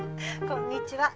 こんにちは。